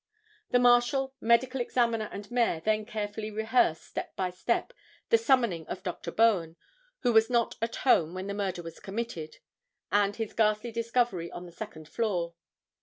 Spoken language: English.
The Marshal, Medical Examiner and Mayor then carefully rehearsed, step by step, the summoning of Dr. Bowen, who was not at home when the murder was committed, and his ghastly discovery on the second floor.